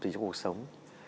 thì cho cuộc sống